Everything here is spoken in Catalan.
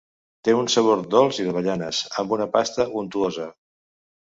Té un sabor dolç i d'avellanes, amb una pasta untuosa.